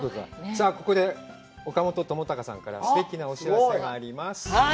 さあ、ここで岡本知高さんからすてきなお知らせがあります。